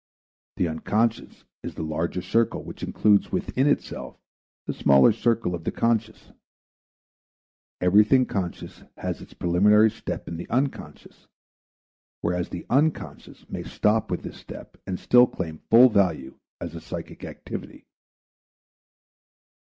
The unconscious is the larger circle which includes within itself the smaller circle of the conscious; everything conscious has its preliminary step in the unconscious, whereas the unconscious may stop with this step and still claim full value as a psychic activity.